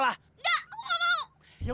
enggak aku gak mau